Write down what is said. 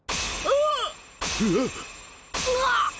うわっ！